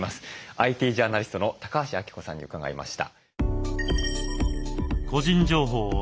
ＩＴジャーナリストの高橋暁子さんに伺いました。